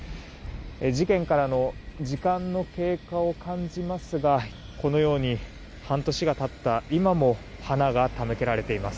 事件からの時間の経過を感じますがこのように、半年が経った今も花が手向けられています。